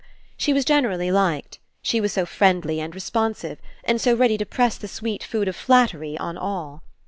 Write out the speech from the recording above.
She was generally liked. She was so friendly and responsive, and so ready to press the sweet food of flattery on all.